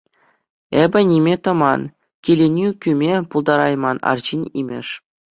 Эпӗ ниме тӑман, киленӳ кӳме пултарайман арҫын имӗш.